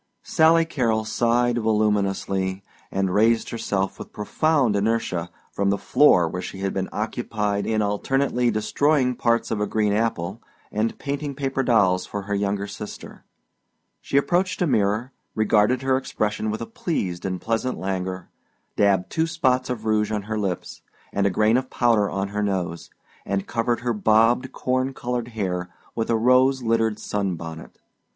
Sally Carrol sighed voluminously and raised herself with profound inertia from the floor where she had been occupied in alternately destroyed parts of a green apple and painting paper dolls for her younger sister. She approached a mirror, regarded her expression with a pleased and pleasant languor, dabbed two spots of rouge on her lips and a grain of powder on her nose, and covered her bobbed corn colored hair with a rose littered sunbonnet.